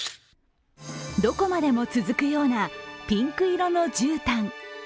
どこまでも続くようなピンク色のじゅうたん。